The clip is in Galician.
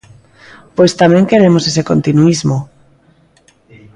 Pois tamén queremos ese continuísmo.